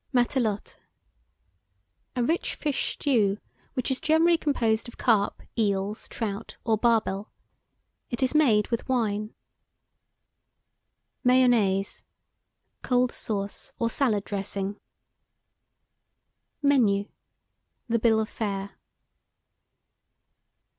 MATELOTE. A rich fish stew, which is generally composed of carp, eels, trout, or barbel. It is made with wine. MAYONNAISE. Cold sauce, or salad dressing. MENU. The bill of fare.